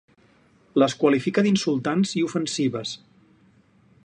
Les qualifica d’insultants i ofensives.